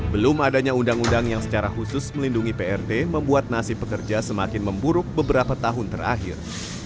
belum adanya undang undang yang secara khusus melindungi prt membuat nasib pekerja semakin memburuk beberapa tahun terakhir